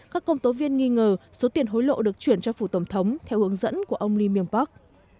các công tố viên nghi ngờ số tiền hối lộ được chuyển cho phủ tổng thống theo hướng dẫn của ông lee myung park